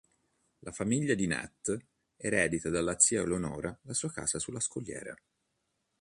La famiglia di Nat eredita dalla zia Eleonora la sua casa sulla scogliera.